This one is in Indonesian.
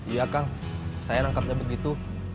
iya kang saya nangkapnya begitu